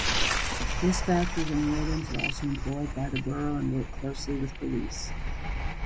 Dispatchers and wardens are also employed by the borough and work closely with police.